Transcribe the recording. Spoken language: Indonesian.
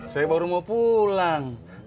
saya baru mau pulang